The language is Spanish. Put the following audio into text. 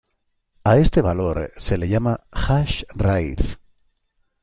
A este valor se le llama hash raíz.